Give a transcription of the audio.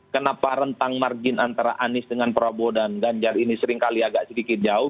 kenapa rentang margin antara anies dengan prabowo dan ganjar ini seringkali agak sedikit jauh